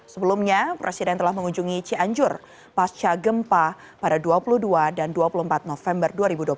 sebelumnya presiden telah mengunjungi cianjur pasca gempa pada dua puluh dua dan dua puluh empat november dua ribu dua puluh